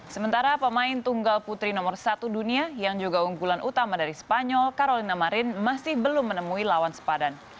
sementara pemain tunggal putri nomor satu dunia yang juga unggulan utama dari spanyol carolina marin masih belum menemui lawan sepadan